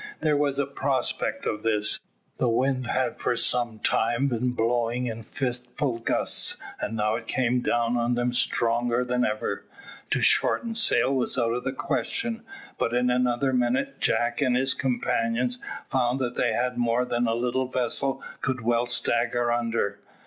There was a prospect of this. The wind had for some time been blowing in fitful gusts, and now it came down on them stronger than ever. To shorten sail was out of the question, but in another minute Jack and his companions found that they had more than the little vessel could well stagger under.